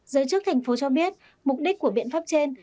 giới chức thành phố cho biết mục đích của biện pháp trên